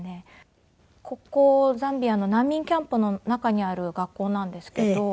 ここザンビアの難民キャンプの中にある学校なんですけど。